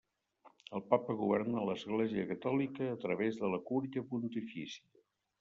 El papa governa l'Església Catòlica a través de la Cúria Pontifícia.